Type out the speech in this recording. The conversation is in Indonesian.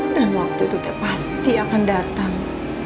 dan waktu itu pasti akan datang